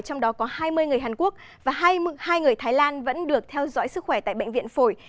trong đó có hai mươi người hàn quốc và hai người thái lan vẫn được theo dõi sức khỏe tại bệnh viện phổi